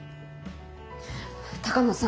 鷹野さん